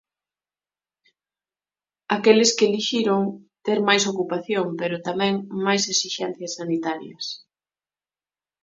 Aqueles que elixiron ter máis ocupación, pero tamén máis esixencias sanitarias.